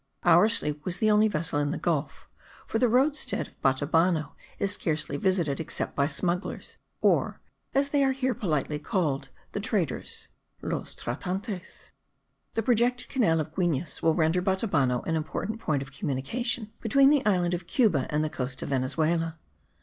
Our sloop was the only vessel in the gulf; for the roadstead of Batabano is scarcely visited except by smugglers, or, as they are here politely called, the traders (los tratantes). The projected canal of Guines will render Batabano an important point of communication between the island of Cuba and the coast of Venezuela.